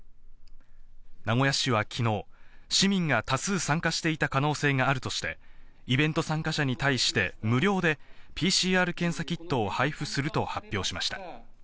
名古屋市はきのう、市民が多数参加していた可能性があるとして、イベント参加者に対して、無料でＰＣＲ検査キットを配布すると発表しました。